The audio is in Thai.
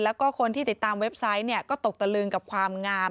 แล้วก็คนที่ติดตามเว็บไซต์ก็ตกตะลึงกับความงาม